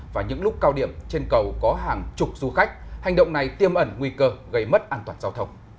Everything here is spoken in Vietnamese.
và những lúc cao điểm trên cầu có hàng chục du khách hành động này tiêm ẩn nguy cơ gây mất an toàn giao thông